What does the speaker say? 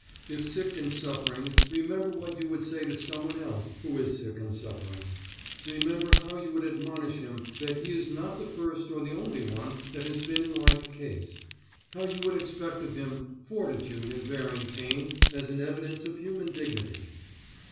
If sick and suffering, remember what you would say to someone else who is sick and suffering, remember how you would admonish him that he is not the first or the only one that has been in like case, how you would expect of him fortitude in bearing pain as an evidence of human dignity.